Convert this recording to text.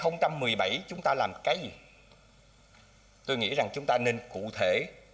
năm hai nghìn một mươi bảy chúng ta làm cái gì tôi nghĩ rằng chúng ta nên cụ thể